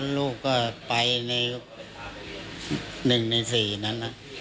มันก็น่าจะมีความยุ่งเพราะลูกก็ไปในหนึ่งในสี่นั้นนะ